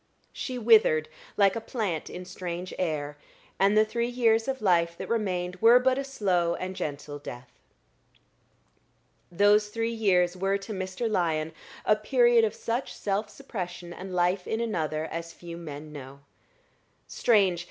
She withered like a plant in strange air, and the three years of life that remained were but a slow and gentle death. Those three years were to Mr. Lyon a period of such self suppression and life in another as few men know. Strange!